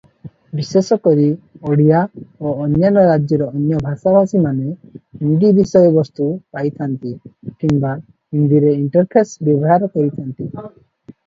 ବିଶେଷକରି ଓଡ଼ିଶା ଓ ଅନ୍ୟାନ୍ୟ ରାଜ୍ୟର ଅନ୍ୟ ଭାଷାଭାଷୀମାନେ ହିନ୍ଦୀ ବିଷୟବସ୍ତୁ ପାଇଥାନ୍ତି କିମ୍ବା ହିନ୍ଦୀରେ ଇଣ୍ଟରଫେସ୍ ବ୍ୟବହାର କରିଥାନ୍ତି ।